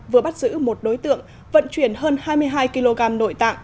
vừa bắt giữ một đối tượng vận chuyển hơn hai mươi hai kg nội tạng